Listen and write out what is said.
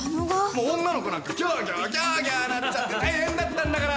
もう女の子なんかギャーギャーギャーギャーなっちゃって大変だったんだから。